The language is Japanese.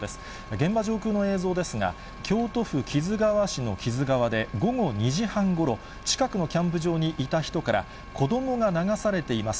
現場上空の映像ですが、京都府木津川市の木津川で午後２時半ごろ、近くのキャンプ場にいた人から、子どもが流されています。